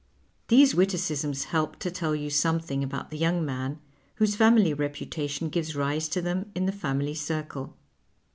These witticisms help to tell you something about the young man whose family reputation gives rise to them in the family circle.